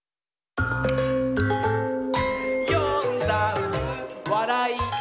「よんだんす」「わらい」！